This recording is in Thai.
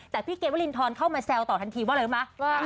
แต่พี่เกดวรินทรเข้ามาแซวต่อทันทีว่าอะไรรู้ไหม